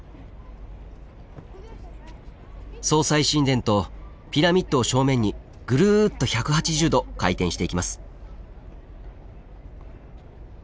葬祭神殿とピラミッドを正面にぐるっと１８０度回転していきます。